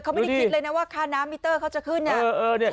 เขาไม่ได้คิดเลยนะว่าค่าน้ำมิเตอร์เขาจะขึ้นเนี่ย